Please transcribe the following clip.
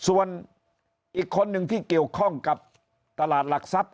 ส่วนอีกคนหนึ่งที่เกี่ยวข้องกับตลาดหลักทรัพย